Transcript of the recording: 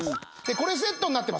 これセットになってます。